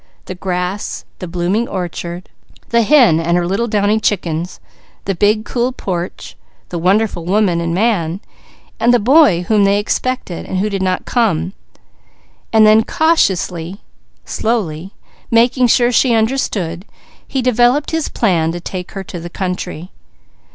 The grass, the blooming orchard, the hen and her little downy chickens, the big cool porch, the wonderful woman and man, the boy whom they expected and who did not come; and then cautiously, slowly, making sure she understood, he developed his plan to take her to the country.